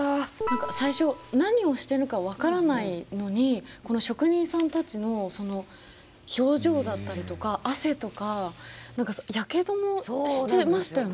最初何をしてるのか分からないのにこの職人さんたちのその表情だったりとか汗とか何かやけどもしてましたよね。